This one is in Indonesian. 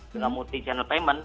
dengan multi channel payment